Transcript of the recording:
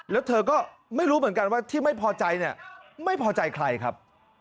แล้วเธอก็ไม่รู้เหมือนกันว่าที่ไม่พอใจเนี่ยไม่พอใจใครครับ